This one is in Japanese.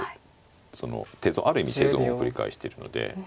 その手損ある意味手損を繰り返してるので。